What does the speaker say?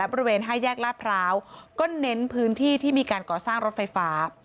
บริเวณ๕แยกลาดพร้าวก็เน้นพื้นที่ที่มีการก่อสร้างรถไฟฟ้า